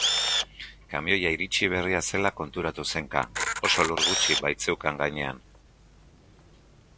Kamioia iritsi berria zela konturatu zen Ka, oso elur gutxi baitzeukan gainean.